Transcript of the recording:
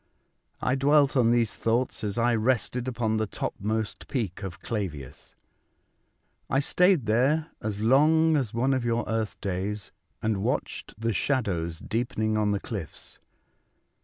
I dwelt on these thoughts as I rested upon the topmost peak of Clavius. I stayed there as long as one of your earth days, and watched the shadows deepening on the cliffs.